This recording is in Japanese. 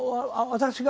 私が？